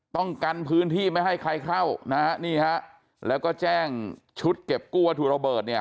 ต้องกันพื้นที่ไม่ให้ใครเข้านะฮะนี่ฮะแล้วก็แจ้งชุดเก็บกู้วัตถุระเบิดเนี่ย